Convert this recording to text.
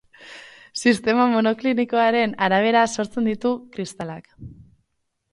Sistema monoklinikoaren arabera sortzen ditu kristalak.